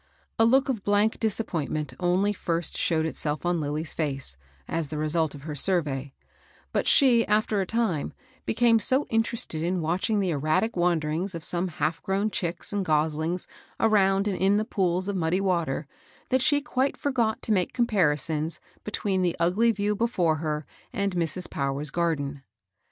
A look of blank disappointment only first showed itself on Lilly's face, as the result of her survey ; but she, after a time, became so interested in watch ing the erratic wanderings of some half grown chicks and goslings around and in the pools of mud dy water, that she quite forgot to make comparisons between the ugly view before her and Mrs. Pow ers' garden.